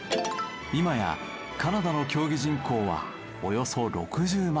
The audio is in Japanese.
今やカナダの競技人口はおよそ６０万人。